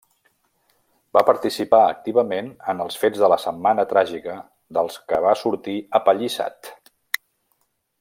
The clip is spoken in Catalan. Va participar activament en els fets de la Setmana Tràgica dels que va sortir apallissat.